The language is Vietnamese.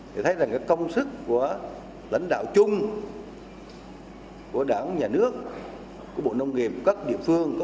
chính phủ đánh giá cao ghi nhận công sức của các nhà khoa học của các doanh nghiệp chế biến tiêu thụ chút gạo